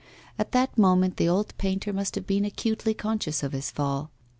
At that moment the old painter must have been acutely conscious of his fall.